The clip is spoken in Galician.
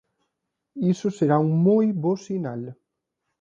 Iso será un moi bo sinal.